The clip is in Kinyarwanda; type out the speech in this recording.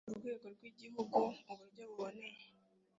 urwego rw igihugu uburyo buboneye